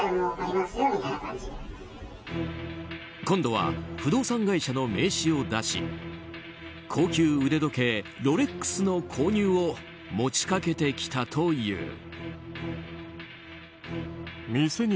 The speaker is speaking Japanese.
今度は不動産会社の名刺を出し高級腕時計ロレックスの購入を持ち掛けてきたという。